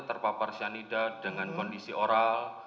terpapar cyanida dengan kondisi oral